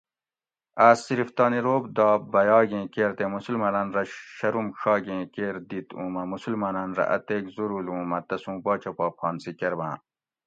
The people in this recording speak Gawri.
آس صرف تانی رعب داب بیاگیں کیر تے مسلمانان رہ شرم ڛاگیں کیر دِت اوں مہ مسلمانان رہ اتیک زورول اوں مہ تسوں باچہ پا پھانسی کرباۤں